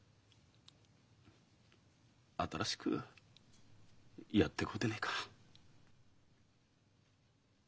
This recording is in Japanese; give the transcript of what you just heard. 新しくやってこうでねえか。